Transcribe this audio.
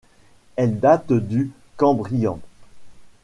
Elle date du Cambrien.